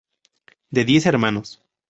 De diez hermanos.